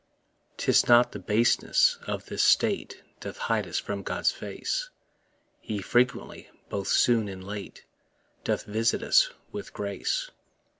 'Tis not the baseness of this state Doth hide us from God's face; He frequently, both soon and late, Doth visit us with grace.